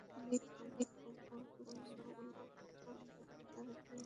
তিনি খুব অল্প স্নেহ করলেও অ্যান তার প্রিয় ছিলেন।